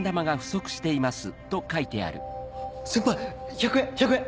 先輩１００円１００円！